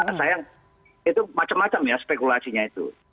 nah sayang itu macam macam ya spekulasinya itu